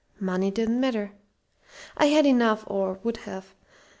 Money didn't matter. I had enough or would have.